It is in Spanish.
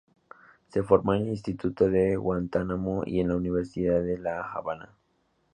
Se formó en el Instituto de Guantánamo y en la Universidad de la Habana.